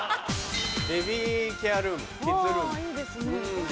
「ベビーケアルームキッズルーム」。